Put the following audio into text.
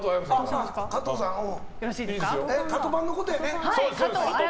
カトパンのことやね。